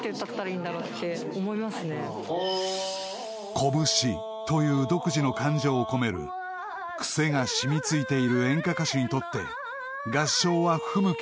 ［こぶしという独自の感情を込める癖が染み付いている演歌歌手にとって合唱は不向きなジャンル］